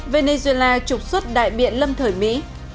venezuela trục xuất đại biện lâm thời mỹ